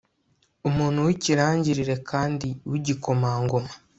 umuntu w'ikirangirire kandi w'igikomangoma